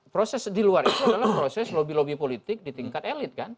proses di luar itu adalah proses lobby lobby politik di tingkat elit kan